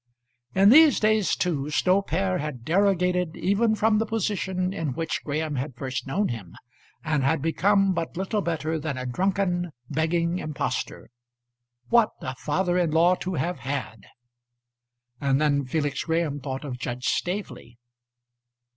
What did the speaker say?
In these days, too, Snow père had derogated even from the position in which Graham had first known him, and had become but little better than a drunken, begging impostor. What a father in law to have had! And then Felix Graham thought of Judge Staveley.